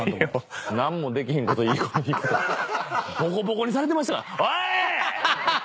何もできひんこといいことにぼこぼこにされてましたからおい‼